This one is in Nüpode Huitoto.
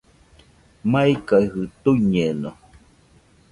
Maikajɨ tuiñeno